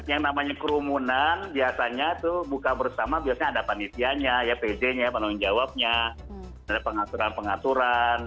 yang namanya kerumunan biasanya itu buka bersama biasanya ada panitianya ya pd nya panonin jawabnya ada pengaturan pengaturan